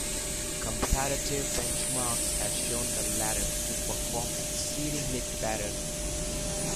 Comparative benchmarks have shown the latter to perform exceedingly better.